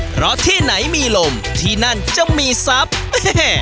เพราะที่ไหนมีลมที่นั่นจะมีทรัพย์แม่